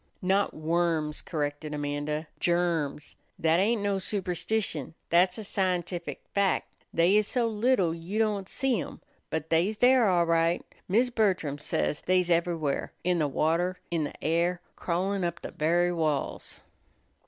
"Not worms," corrected Amanda; "germs. That ain't no superstition; that's a scientific fac'. They is so little you don't see 'em; but they's there all right. Mis' Bertram says they's ever'where in the water, in the air, crawlin' up the very walls."